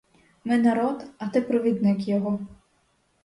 Ми народ, а ти провідник його.